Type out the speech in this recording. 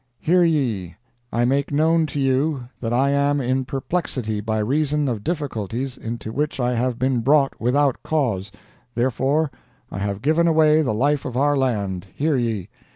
"Hear ye! I make known to you that I am in perplexity by reason of difficulties into which I have been brought without cause; therefore I have given away the life of our land, hear ye!